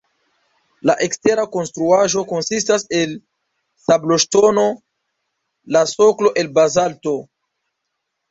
La ekstera konstruaĵo konsistas el sabloŝtono, la soklo el bazalto.